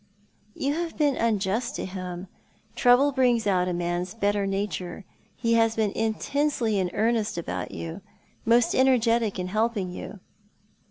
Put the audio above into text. " You have been unjust to him. 'Trouble brings out a man's better nature. He has been intensely in earnest about you — most energetic in helping you."